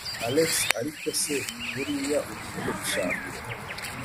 alex ariko se buriya ugiye gushaka